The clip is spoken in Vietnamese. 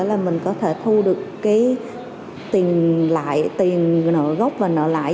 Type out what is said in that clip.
là mình có thể thu được tiền nợ gốc và nợ lại